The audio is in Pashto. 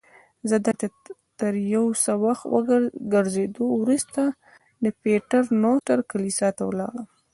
زه دلته تر یو څه وخت ګرځېدو وروسته د پیټر نوسټر کلیسا ته ولاړم.